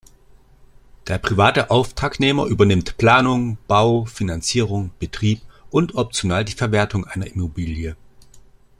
Der private Auftragnehmer übernimmt Planung, Bau, Finanzierung, Betrieb und optional die Verwertung einer Immobilie.